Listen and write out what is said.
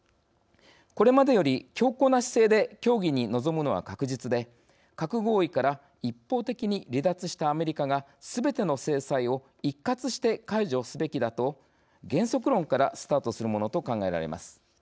これまでより強硬な姿勢で協議に臨むのは確実で核合意から一方的に離脱したアメリカがすべての制裁を一括して解除すべきだと原則論からスタートするものと考えられます。